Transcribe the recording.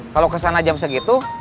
kalo kesana jam segitu